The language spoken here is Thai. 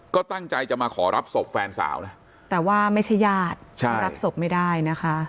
ก็ตั้งใจจะมาขอรับศพแฟนสาวนะแต่ว่าไม่ใช่ญาติใช่รับศพไม่ได้นะคะ